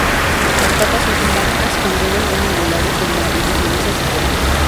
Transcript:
Las patas son compactas, con dedos bien angulados y almohadillas gruesas y fuertes.